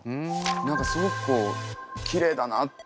何かすごくこうきれいだなって。